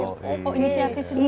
oh inisiatif sendiri